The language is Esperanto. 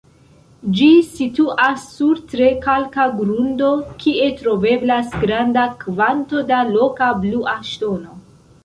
Ĝi situas sur tre kalka grundo, kie troveblas granda kvanto da loka "blua ŝtono".